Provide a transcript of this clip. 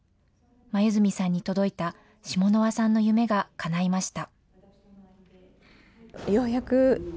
黛さんに届いたシモノワさんの夢がかないました。